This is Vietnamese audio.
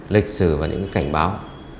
lịch sử và những cái cảnh báo